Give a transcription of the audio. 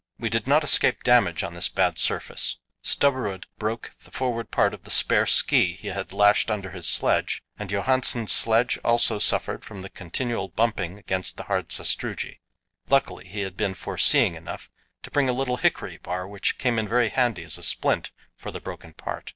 We did not escape damage on this bad surface. Stubberud broke the forward part of the spare ski he had lashed under his sledge, and Johansen's sledge also suffered from the continual bumping against the hard sastrugi. Luckily he had been foreseeing enough to bring a little hickory bar, which came in very handy as a splint for the broken part.